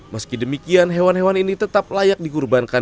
meski demikian hewan hewan ini tetap layak dikurbankan